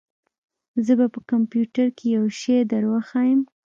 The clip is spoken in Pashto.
زه به په کمپيوټر کښې يو شى دروښييم.